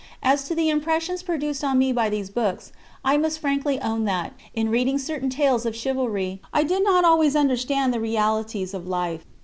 As to the impressions produced on me by these books, I must frankly own that, in reading certain tales of chivalry, I did not always understand the realities of life.